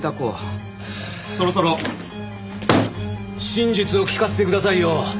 そろそろ真実を聞かせてくださいよ。